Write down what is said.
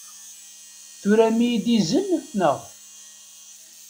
Turam-iyi-d izen, naɣ?